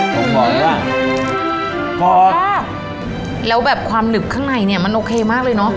ผมบอกเลยว่าพอแล้วแบบความหนึบข้างในเนี่ยมันโอเคมากเลยเนอะ